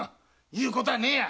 言うことはねえや！